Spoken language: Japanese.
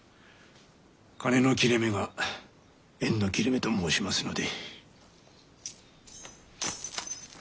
「金の切れ目が縁の切れ目」と申しますので。